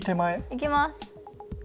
行きます。